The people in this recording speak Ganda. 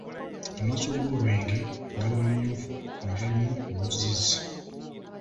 Amaaso ag'olwenge gaba mamyufu nga galimu n’oluzzizzi.